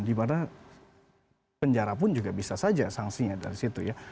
dimana penjara pun juga bisa saja sanksinya dari situ ya